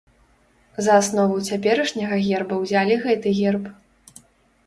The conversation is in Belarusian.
За аснову цяперашняга герба ўзялі гэты герб.